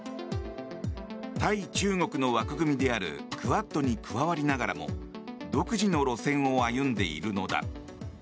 対中国の枠組みであるクアッドに加わりながらも独自の路線を歩んでいるのだ。